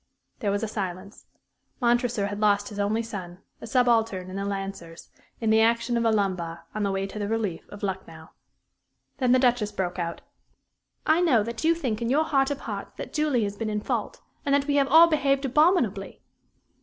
There was a silence. Montresor had lost his only son, a subaltern in the Lancers, in the action of Alumbagh, on the way to the relief of Lucknow. Then the Duchess broke out: "I know that you think in your heart of hearts that Julie has been in fault, and that we have all behaved abominably!"